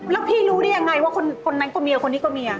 แล้วพี่รู้ได้ยังไงว่าคนนั้นก็เมียคนนี้ก็เมีย